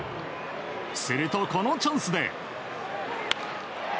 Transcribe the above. するとこのチャンスで。